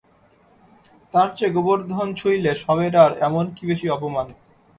তার চেয়ে গোবর্ধন ছুইলে শবের আর এমন কী বেশি অপমান?